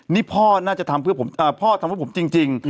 นี่พ่อน่าจะทำเพื่อผมจริง